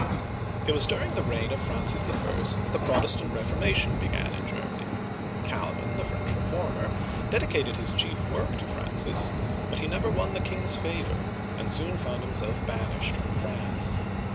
It was during the reign of Francis I. that the Protestant Reformation began in Germany. Cal'vin, the French re former, dedicated his chief work to Francis, but he never won the king's favor, and soon found himself banished from France.